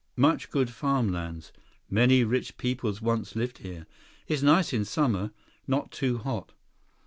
Much good farm lands. Many rich peoples once live here. Is nice in summer. Not too hot."